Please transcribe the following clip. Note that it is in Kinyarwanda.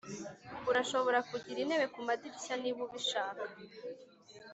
urashobora kugira intebe kumadirishya niba ubishaka.